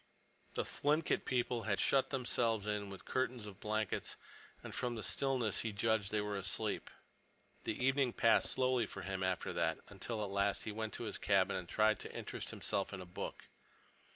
The Thlinkit people had shut themselves in with a curtain of blankets, and from the stillness he judged they were asleep. The evening passed slowly for him after that, until at last he went to his cabin and tried to interest himself in a book.